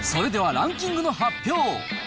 それではランキングの発表。